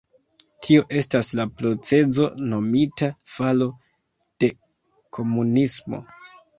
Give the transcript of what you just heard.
Tio estas la procezo nomita falo de komunismo.